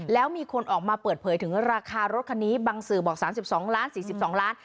แล้วมีคนออกมาเปิดเผยถึงราคารถคันนี้บางสื่อบอก๓๒ล้าน๔๒ล้าน